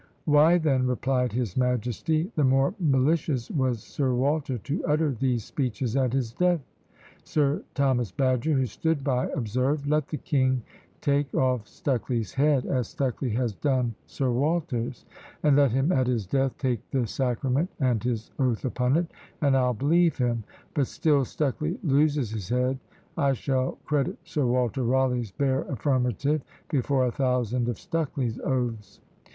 "Why, then," replied his majesty, "the more malicious was Sir Walter to utter these speeches at his death." Sir Thomas Badger, who stood by, observed, "Let the king take off Stucley's head, as Stucley has done Sir Walter's, and let him at his death take the sacrament and his oath upon it, and I'll believe him; but till Stucley loses his head, I shall credit Sir Walter Rawleigh's bare affirmative before a thousand of Stucley's oaths."